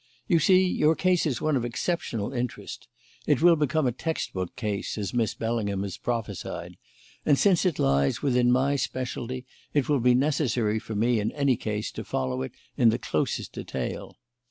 You see, your case is one of exceptional interest it will become a textbook case, as Miss Bellingham has prophesied; and, since it lies within my specialty, it will be necessary for me, in any case, to follow it in the closest detail.